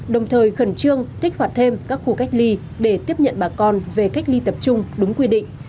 đồng thời khẩn trương kích hoạt thêm các khu cách ly để tiếp nhận bà con về cách ly tập trung đúng quy định